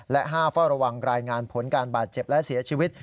และ๕เฝ้าระวังรายงานผลการบาดเจ็บและเสียชีวิต